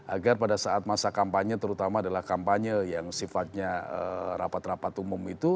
agar pada saat masa kampanye terutama adalah kampanye yang sifatnya rapat rapat umum itu